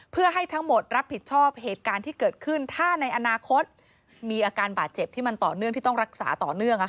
เพื่อให้ทั้งหมดรับผิดชอบเหตุการณ์ที่เกิดขึ้นถ้าในอนาคตมีอาการบาดเจ็บที่มันต่อเนื่องที่ต้องรักษาต่อเนื่อง